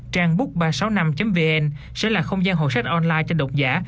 trang book ba trăm sáu mươi năm vn sẽ là không gian hồ sách online cho độc giả